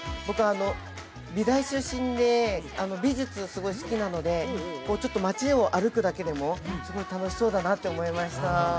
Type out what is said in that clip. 僕美大出身で美術すごい好きなのでちょっと街を歩くだけでもすごい楽しそうだなって思いました